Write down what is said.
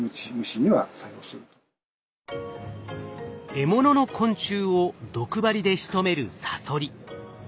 獲物の昆虫を毒針でしとめるサソリ。